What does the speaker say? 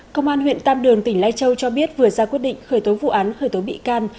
công an huyện tam đường tỉnh lai châu cho biết vừa ra quyết định khởi tố vụ án khởi tố bị can